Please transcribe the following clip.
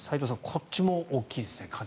こっちも大きいですね。